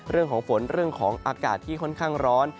เรื่องของฝนอากาศที่ค่อนข้างร้อน